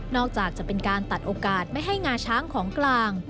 อกจากจะเป็นการตัดโอกาสไม่ให้งาช้างของกลาง